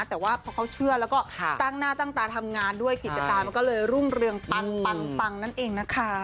แต่ว่าพอเขาเชื่อแล้วก็ตั้งหน้าตั้งตาทำงานด้วยกิจการมันก็เลยรุ่งเรืองปังปังนั่นเองนะคะ